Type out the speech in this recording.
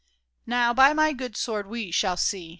Now, by my good sword, we shall see